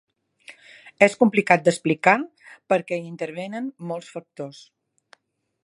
És complicat d’explicar perquè hi intervenen molts factors.